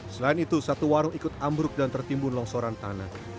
selain itu satu warung ikut ambruk dan tertimbun longsoran tanah